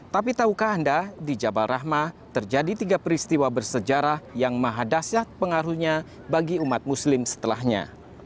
tapi tahukah anda di jabal rahmah terjadi tiga peristiwa bersejarah yang maha dasyat pengaruhnya bagi umat muslim setelahnya